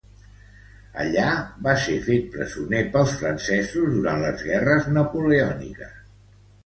Allí va ser fet presoner pels francesos durant les guerres napoleòniques.